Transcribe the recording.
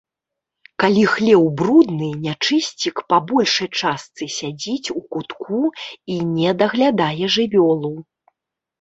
Калі хлеў брудны, нячысцік па большай частцы сядзіць у кутку і не даглядае жывёлу.